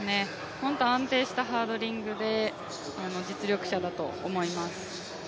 本当に安定したハードリングで実力者だと思います。